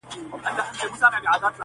او داسي نورو هیوادو کی اوسیدلي یا اوسیږی